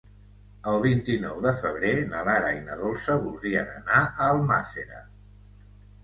El vint-i-nou de febrer na Lara i na Dolça voldrien anar a Almàssera.